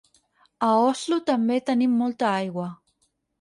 A Oslo també tenim molta aigua.